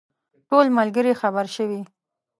ټول ملګري خبر شوي.